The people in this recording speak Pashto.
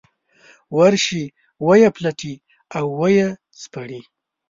ورشي ویې پلټي او ويې سپړي.